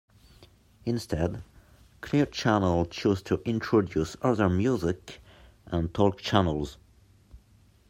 Instead, Clear Channel chose to introduce other music and talk channels.